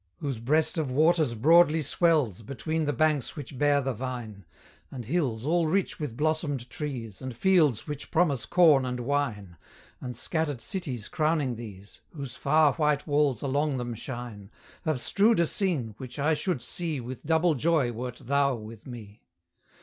Whose breast of waters broadly swells Between the banks which bear the vine, And hills all rich with blossomed trees, And fields which promise corn and wine, And scattered cities crowning these, Whose far white walls along them shine, Have strewed a scene, which I should see With double joy wert THOU with me!